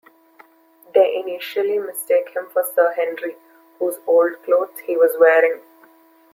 They initially mistake him for Sir Henry, whose old clothes he was wearing.